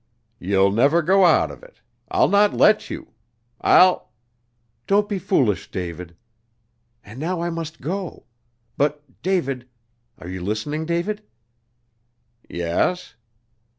"You'll never go out of it. I'll not let you. I'll " "Don't be foolish, David. And now I must go. But, David are you listening, David?" "Yes."